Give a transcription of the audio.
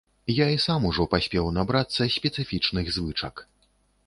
Я і сам ужо паспеў набрацца спецыфічных звычак.